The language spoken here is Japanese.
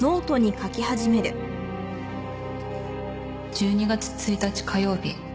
「１２月１日火曜日」